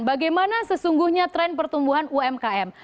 bagaimana sesungguhnya tren pertumbuhan umkm